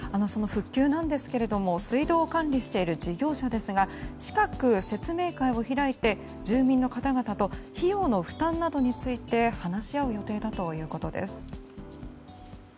その復旧なんですけれど水道を管理している事業者ですが近く説明会を開いて住民の方々と費用の負担などについて話し合う予定だということです。